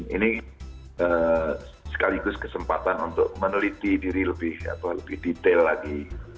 ini sekaligus kesempatan untuk meneliti diri lebih detail lagi